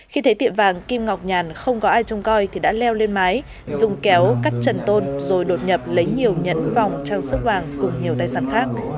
khi thấy tiệm vàng kim ngọc nhàn không có ai trông coi thì đã leo lên mái dùng kéo cắt trần tôn rồi đột nhập lấy nhiều nhẫn vòng trang sức vàng cùng nhiều tài sản khác